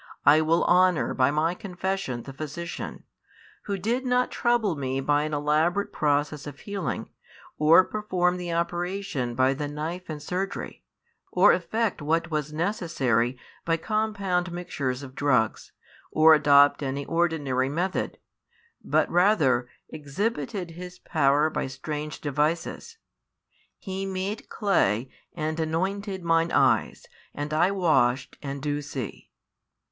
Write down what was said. I will honour by my confession the Physician, Who did not trouble me by an elaborate process of healing, or perform the operation by the knife and surgery, or effect what was necessary by compound mixtures of drugs, or adopt any ordinary method, but rather exhibited His power by strange devices. He made clay, and anointed mine eyes, and I washed, and do see.